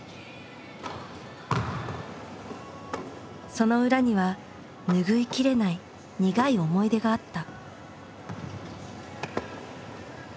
その裏には拭いきれない苦い思い出があった。